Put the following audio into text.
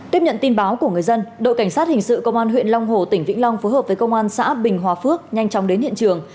tiếp nhận tin báo của người dân đội cảnh sát hình sự công an huyện long hồ tỉnh vĩnh long phối hợp với công an xã bình hòa phước nhanh chóng đến hiện trường